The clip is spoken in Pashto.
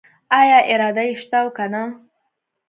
آیا اراده یې شته او کنه؟